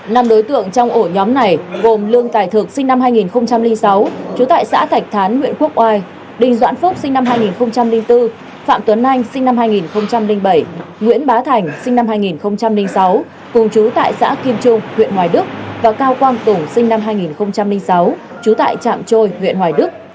năm đối tượng trong ổ nhóm này gồm lương tài thực sinh năm hai nghìn sáu chú tại xã thạch thán huyện quốc oai đình doãn phúc sinh năm hai nghìn bốn phạm tuấn anh sinh năm hai nghìn bảy nguyễn bá thành sinh năm hai nghìn sáu cùng chú tại xã kim trung huyện hoài đức và cao quang tùng sinh năm hai nghìn sáu chú tại trạm trôi huyện hoài đức